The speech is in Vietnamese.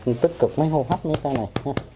khi tích cực mới hô hấp như cái này